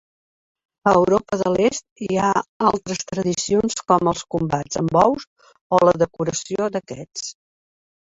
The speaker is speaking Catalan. A Europa de l'Est, hi ha altres tradicions com els combats amb ous o la decoració d'aquests.